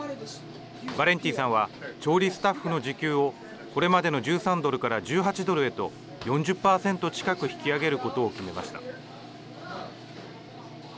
ヴァレンティさんは調理スタッフの時給をこれまでの１３ドルから１８ドルへと４０％近く引き上げることを決めました。